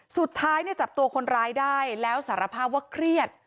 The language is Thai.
สุดท้ายจับตัวคนร้ายได้แล้วสารภาพว่าเครียด